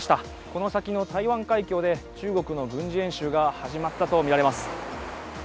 この先の台湾海峡で中国の軍事演習が始まったとみられます。